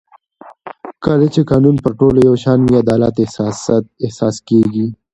کله چې قانون پر ټولو یو شان وي عدالت احساس کېږي